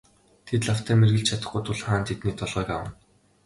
Тэд лавтай мэргэлж чадахгүй тул хаан тэдний толгойг авна.